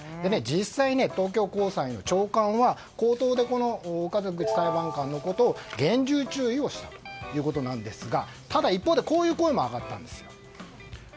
実際、東京高裁の長官は冒頭で岡口裁判官のことを厳重注意したということですがただ、一方でこういう声も上がったんです。